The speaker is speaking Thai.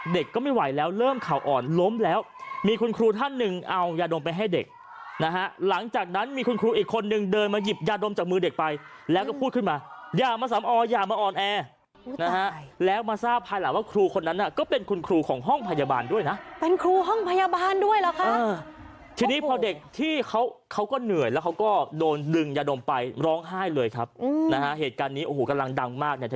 เด็กก็ไม่ไหวแล้วเริ่มข่าวอ่อนล้มแล้วมีคุณครูท่านหนึ่งเอายาดมไปให้เด็กนะฮะหลังจากนั้นมีคุณครูอีกคนนึงเดินมาหยิบยาดมจากมือเด็กไปแล้วก็พูดขึ้นมาอย่ามาสำออย่ามาอ่อนแอนะฮะแล้วมาทราบภายหลังว่าครูคนนั้นก็เป็นคุณครูของห้องพยาบาลด้วยนะเป็นคุณครูของห้องพยาบาลด้วยนะเป็นคุณครูของห้องพ